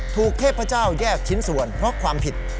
เทพเจ้าแยกชิ้นส่วนเพราะความผิด